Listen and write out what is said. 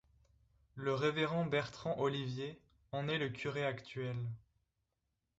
Le révérend Bertrand Olivier en est le curé actuel.